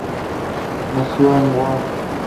Nació en Worms.